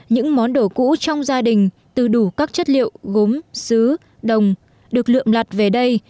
những món đồ cũ trong gia đình từ đủ các chất liệu gốm xứ đồng được lượm lặt về đây